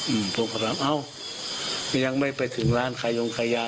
อืมผมก็ถามเอ้ายังไม่ไปถึงร้านขายงขายยา